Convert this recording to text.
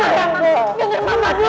rama rama denger mama dulu